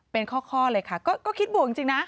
เป็นข้อเลยค่ะก็คิดบวกจริงนะ